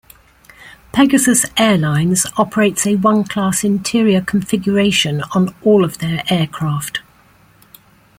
Pegasus Airlines operates a one-class interior configuration on all of their aircraft.